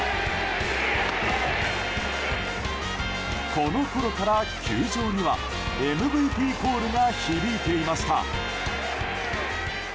このころから球場にはＭＶＰコールが響いていました。